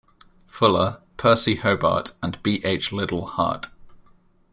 Fuller, Percy Hobart and B. H. Liddell Hart.